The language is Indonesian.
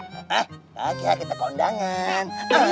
eh oke kita ke undangan